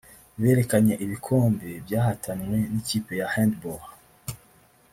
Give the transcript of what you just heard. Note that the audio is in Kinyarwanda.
Berekanye ibikombe byatahanywe n’ikipe ya hand ball